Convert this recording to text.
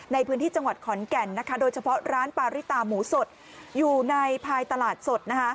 ในพื้นที่จังหวัดขอนแก่นโดยเฉพาะร้านปาริตาหมูสดอยู่ในภายตลาดสด